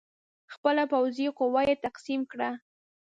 خپله پوځي قوه یې تقسیم کړه.